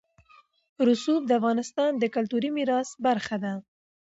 رسوب د افغانستان د کلتوري میراث برخه ده.